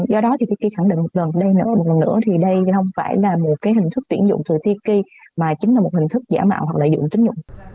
do đó thì khi khẳng định một lần đây nữa một lần nữa thì đây không phải là một hình thức tuyển dụng từ tiki mà chính là một hình thức giả mạo hoặc lợi dụng tính dụng